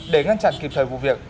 để ngăn chặn kịp thời vụ việc